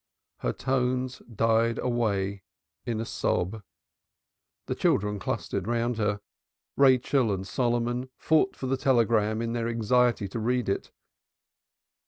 Her tones died away in a sob. The children clustered round her Rachel and Solomon fought for the telegram in their anxiety to read it.